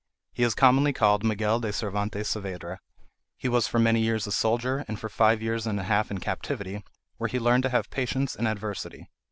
He is commonly called MIGUEL DE CERVANTES SAAVEDRA. He was for many years a soldier, and for five years and a half in captivity, where he learned to have patience in adversity.